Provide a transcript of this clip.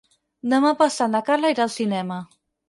Demà passat na Carla irà al cinema.